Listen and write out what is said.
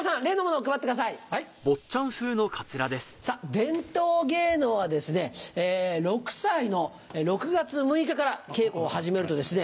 伝統芸能はですね６歳の６月６日から稽古を始めるとですね